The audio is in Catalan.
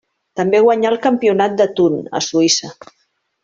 També guanyà el campionat de Thun a Suïssa.